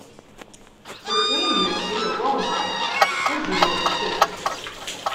But if they knew what we were rollin' about, they'd be rollin' too.